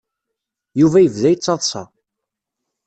Yuba yebda yettaḍsa.